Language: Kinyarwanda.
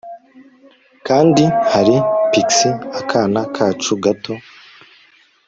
kandi hari pixie akana kacu gato